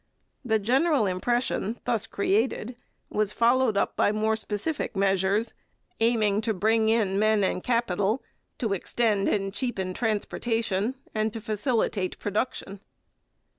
The general impression thus created was followed up by more specific measures, aiming to bring in men and capital, to extend and cheapen transportation, and to facilitate production.